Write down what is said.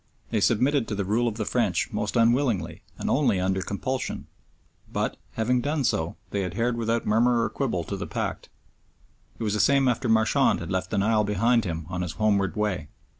They submitted to the rule of the French most unwillingly and only under compulsion, but having done so they adhered without murmur or quibble to the pact. It was the same after Marchand had left the Nile behind him on his homeward way.